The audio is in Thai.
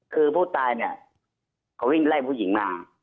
คือผู้ตายเนี่ยเขาวิ่งไล่ผู้หญิงมา